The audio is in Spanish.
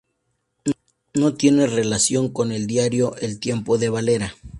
No tiene relación con el diario El Tiempo de Valera.